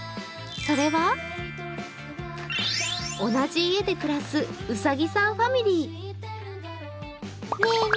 それは、同じ家で暮らすうさぎさんファミリー。